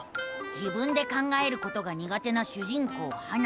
自分で考えることがにが手な主人公ハナ。